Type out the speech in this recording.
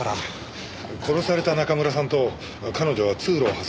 殺された中村さんと彼女は通路を挟んで隣同士でした。